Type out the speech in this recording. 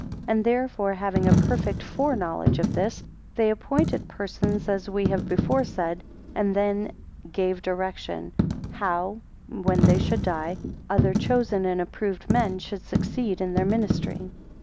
17 And therefore having a perfect fore knowledge of this, they appointed persons, as we have before said, and then a gave direction, how, when they should die, other chosen and approved men should succeed in their ministry.